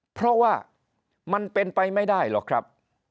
เพราะว่ามันเป็นไปไม่ได้หรอกครับ